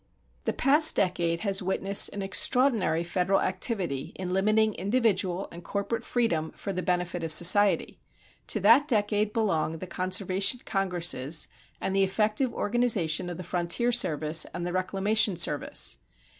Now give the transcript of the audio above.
The past decade has witnessed an extraordinary federal activity in limiting individual and corporate freedom for the benefit of society. To that decade belong the conservation congresses and the effective organization of the Forest Service, and the Reclamation Service.